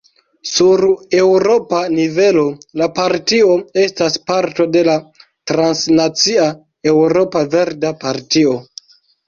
Sur eŭropa nivelo, la partio estas parto de la transnacia Eŭropa Verda Partio.